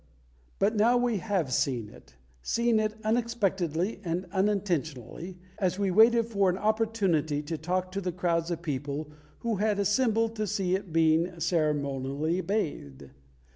But now we have seen it, seen it unexpectedly and unintentionally, as we waited for an opportunity to talk to the crowds of people who had assembled to see it being ceremonially bathed.